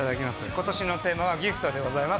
今年のテーマは「ＧＩＦＴギフト」でございます。